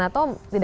atau tidak berhasil